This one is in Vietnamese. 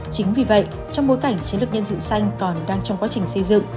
chính vì vậy trong bối cảnh chiến lược nhân sự xanh còn đang trong quá trình xây dựng